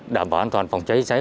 đảm bảo an toàn phòng cháy cháy